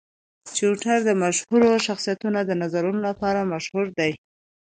ټویټر د مشهورو شخصیتونو د نظرونو لپاره مشهور دی.